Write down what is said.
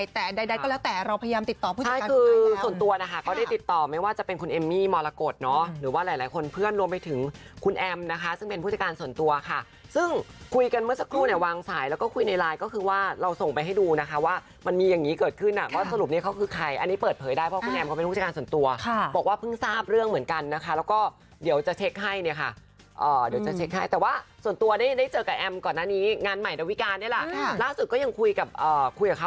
ยังไงแต่ใดก็แล้วแต่เราพยายามติดต่อผู้จัดการส่วนตัวนะคะก็ได้ติดต่อไม่ว่าจะเป็นคุณเอมมี่มรกฏเนาะหรือว่าหลายคนเพื่อนรวมไปถึงคุณแอมนะคะซึ่งเป็นผู้จัดการส่วนตัวค่ะซึ่งคุยกันเมื่อสักครู่เนี่ยวางสายแล้วก็คุยในไลน์ก็คือว่าเราส่งไปให้ดูนะคะว่ามันมีอย่างงี้เกิดขึ้นน่ะว่าสรุปนี้เขาค